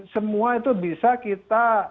semua itu bisa kita